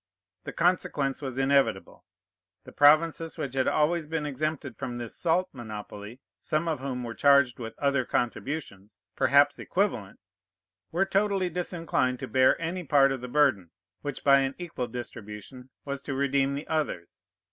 The consequence was inevitable. The provinces which had been always exempted from this salt monopoly, some of whom were charged with other contributions, perhaps equivalent, were totally disinclined to bear any part of the burden, which by an equal distribution was to redeem the others.